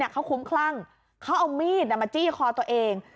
เขาคุ้มคลั่งเขาเอามีดมาจี้คอตัวเอง